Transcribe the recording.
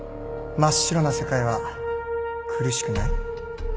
真っ白な世界は苦しくない？